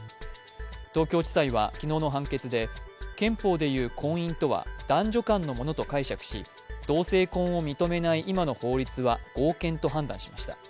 東京地裁は昨日の判決で憲法で言う婚姻とは男女間のものと解釈し同性婚を認めない今の法律は合憲と判断しました。